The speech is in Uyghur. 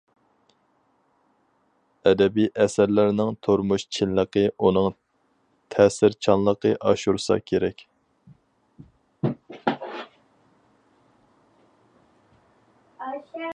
ئەدەبىي ئەسەرلەرنىڭ تۇرمۇش چىنلىقى ئۇنىڭ تەسىرچانلىقى ئاشۇرسا كېرەك.